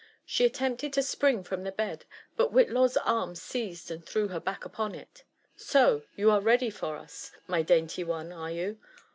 She attempted to spring from the bed, but Whitlaw's arm seized and threw ber back upon it. Sob I you are ready for us, my dainty one, are yon?